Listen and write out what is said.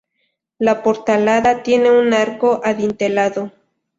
La portalada tiene un arco adintelado.